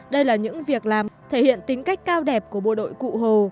đây là những việc làm thể hiện tính cách cao đẹp của bộ đội cụ hồ